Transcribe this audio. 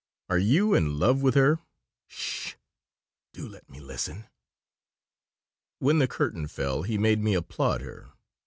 "Are you in love with her?" "'S sh! Do let me listen." When the curtain fell he made me applaud her.